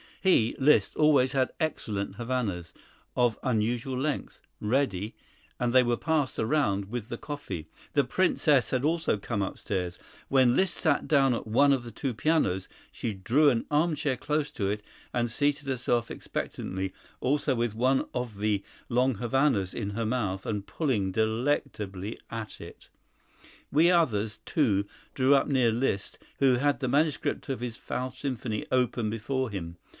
"He [Liszt] always had excellent Havanas, of unusual length, ready, and they were passed around with the coffee. The Princess also had come upstairs. When Liszt sat down at one of the two pianos, she drew an armchair close up to it and seated herself expectantly, also with one of the long Havanas in her mouth and pulling delectably at it. We others, too, drew up near Liszt, who had the manuscript of his 'Faust' symphony open before him.